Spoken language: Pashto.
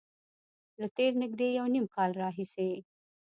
له تېر نږدې یو نیم کال راهیسې